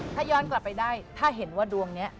ถ้าย้อนกลับไปได้ถ้าเห็นว่าดวงนี้